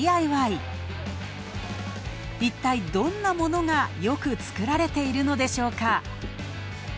いったい、どんなものがよく作られているのでしょうか？